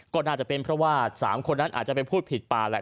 ก็น่าจะเป็นเพราะว่า๓คนนั้นอาจจะไปพูดผิดป่าแหละ